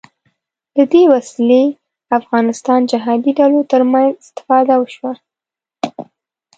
له دې وسلې افغانستان جهادي ډلو تر منځ استفاده وشوه